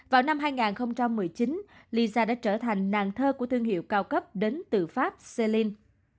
vào năm hai nghìn một mươi chín lisa đã trở thành nền thơ của thương hiệu cao cấp đến từ pháp selin